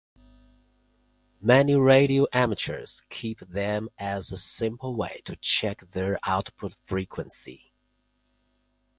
Many radio amateurs keep them as a simple way to check their output frequency.